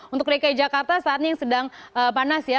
untuk dki jakarta saat ini sedang panas ya